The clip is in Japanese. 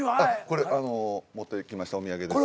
これ持ってきましたお土産です。